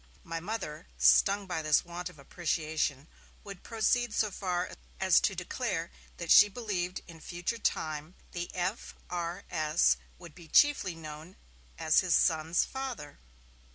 My Mother, stung by this want of appreciation, would proceed so far as to declare that she believed that in future times the F.R.S. would be chiefly known as his son's father!